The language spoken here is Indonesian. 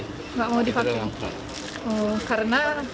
nggak mau divaksin